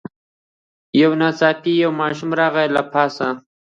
یو ناڅاپه یو ماشوم راغی له پاسه